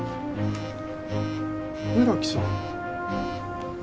村木さん。